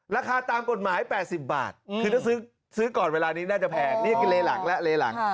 ราคาตามกฎหมาย๘๐บาทคือถ้าซื้อก่อนเวลานี้น่าจะแพงนี่คือเลหลังแล้วเลหลัง